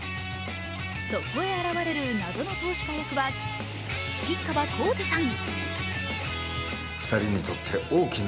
そこへ現れる謎の投資家役は吉川晃司さん。